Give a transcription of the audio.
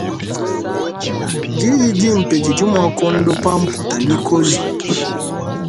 Diyi dimpe didi mua kuondopa mputa mikole.